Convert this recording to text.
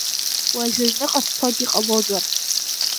Уажәы аҩныҟа сцоит, иҟалозар…